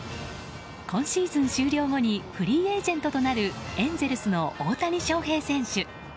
今シーズン終了後にフリーエージェントとなるエンゼルスの大谷翔平選手。